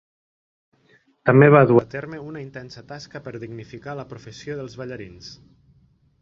També va dur a terme una intensa tasca per dignificar la professió dels ballarins.